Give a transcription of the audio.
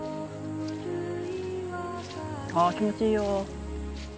ああ気持ちいいよ。